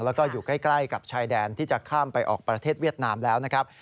แล้วก็อยู่ใกล้กับชายแดนที่จะข้ามไปออกประเทศเวียดนามแล้วนะครับ